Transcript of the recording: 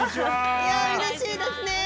うれしいですね！